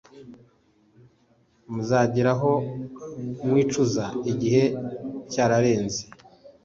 muzageraho mwicuze igihe cyararenze